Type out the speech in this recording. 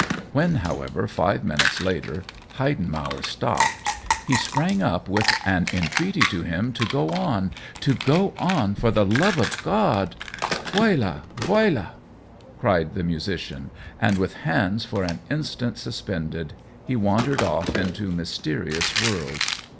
When, however, five minutes later Heidenmauer stopped, he sprang up with an entreaty to him to go on, to go on, for the love of God. '' Foiled— foild, r cried the musician, and with hands for an instant sus 128 COLLABORATION pended he wandered off into mysterious worlds.